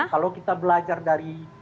kalau kita belajar dari